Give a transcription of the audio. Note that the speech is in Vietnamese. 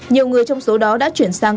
nhiều người trong số đó đã chuyển sang